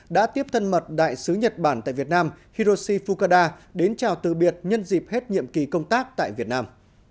đã tiếp thân mật đại sứ nhật bản tại việt nam hiroshi fukada đến chào từ biệt nhân dịp hết nhiệm kỳ công tác tại việt nam